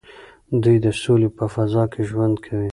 دوی د سولې په فضا کې ژوند کوي.